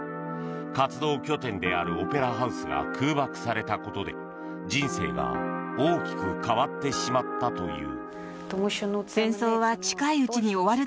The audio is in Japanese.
活動拠点であるオペラハウスが空爆されたことで人生が大きく変わってしまったという。